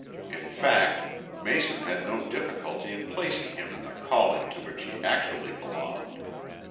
In fact Mason had no difficulty in placing him in the calling to which he actually belonged.